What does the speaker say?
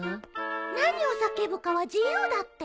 何を叫ぶかは自由だって。